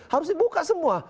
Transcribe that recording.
harus dibuka semua